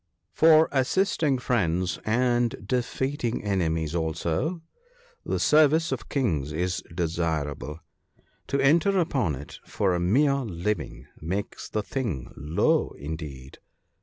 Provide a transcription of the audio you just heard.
" For assisting friends, and defeating enemies also, the 62 THE BOOK OF GOOD COUNSELS. service of kings is desirable. To enter upon it for a mere living makes the thing low indeed.